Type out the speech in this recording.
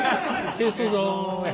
消すぞ。